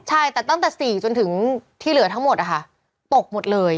ใช่แต่ตั้งแต่๔จนถึงที่เหลือทั้งหมดนะคะตกหมดเลย